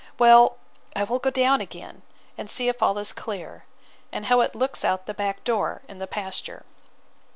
Well, I will go down again, and see if all is clear, and how it looks out at the back door in the pasture.